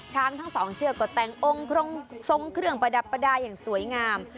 ทั้งสองเชือกก็แต่งองค์ทรงเครื่องประดับประดาษอย่างสวยงาม